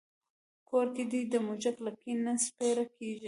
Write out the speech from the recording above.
کور کې دې د موږک لکۍ نه سپېره کېږي.